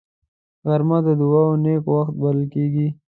غرمه د دعاو نېک وخت بلل کېږي